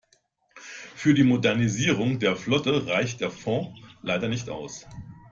Für die Modernisierung der Flotte reicht der Fond leider nicht aus.